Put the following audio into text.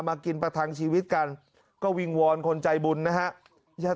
กินประทังชีวิตกันก็วิงวอนคนใจบุญนะฮะ